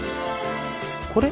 これ？